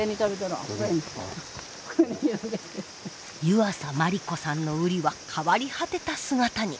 湯浅万里子さんのウリは変わり果てた姿に。